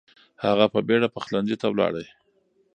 هغه په بیړه پخلنځي ته لاړ.